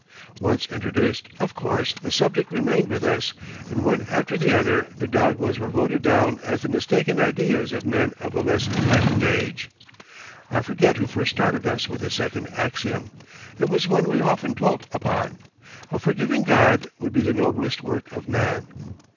Once introduced, of course, the subject remained with us, and one after the other the dogmas were voted down as the mistaken ideas of men of a less enlightened age. I forget who first started us with a second axiom. It was one we often dwelt upon: "A forgiving God would be the noblest work of man."